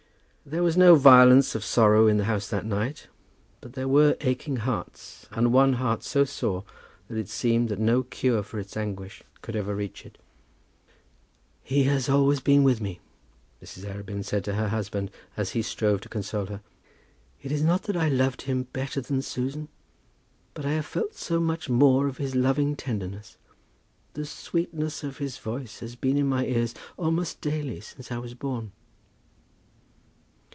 There was no violence of sorrow in the house that night; but there were aching hearts, and one heart so sore that it seemed that no cure for its anguish could ever reach it. "He has always been with me," Mrs. Arabin said to her husband, as he strove to console her. "It was not that I loved him better than Susan, but I have felt so much more of his loving tenderness. The sweetness of his voice has been in my ears almost daily since I was born."